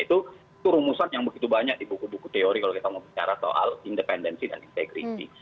itu rumusan yang begitu banyak di buku buku teori kalau kita mau bicara soal independensi dan integriti